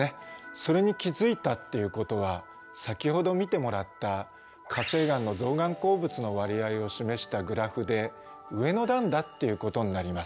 それに気付いたということは先ほど見てもらった火成岩の造岩鉱物の割合を示したグラフで上の段だっていうことになります。